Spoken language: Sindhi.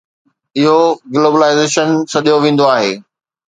اهو گلوبلائيزيشن سڏيو ويندو آهي.